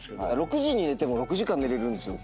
６時に寝ても６時間寝れるんですよ